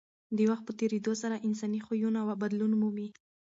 د وخت په تېرېدو سره انساني خویونه بدلون مومي.